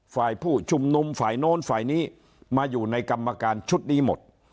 ฝ่ายผู้ชุมนุมฝ่ายโน้นฝ่ายนี้มาอยู่ในกรรมการชุดนี้หมด